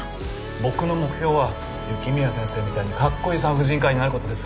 僕の目標は雪宮先生みたいにかっこいい産婦人科医になる事です。